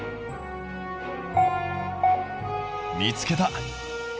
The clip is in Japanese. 見つけた！